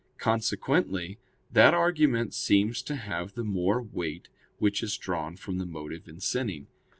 Consequently that argument seems to have the more weight which is drawn from the motive in sinning.